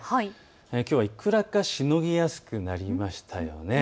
きょうはいくらかしのぎやすくなりましたよね。